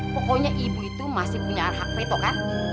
pokoknya ibu itu masih punya hak veto kan